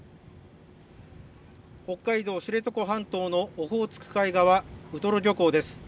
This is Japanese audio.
北海道知床半島のオホーツク海側、ウトロ漁港です。